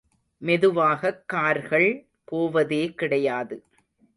மெதுவாகக் கார்கள் போவதே கிடையாது.